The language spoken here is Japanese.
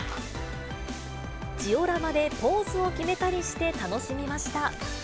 ジオラマで、ポーズを決めたりして楽しみました。